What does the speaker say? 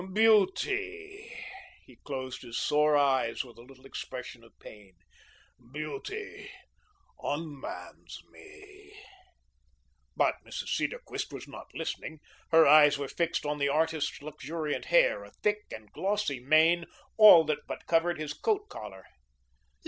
Beauty," he closed his sore eyes with a little expression of pain, "beauty unmans me." But Mrs. Cedarquist was not listening. Her eyes were fixed on the artist's luxuriant hair, a thick and glossy mane, that all but covered his coat collar.